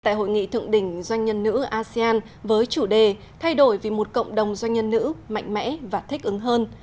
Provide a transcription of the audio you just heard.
tại hội nghị thượng đỉnh doanh nhân nữ asean với chủ đề thay đổi vì một cộng đồng doanh nhân nữ mạnh mẽ và thích ứng hơn